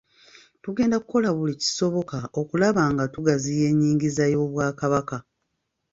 Tugenda kukola buli kisoboka okulaba nga tugaziya ennyingiza y'Obwakabaka.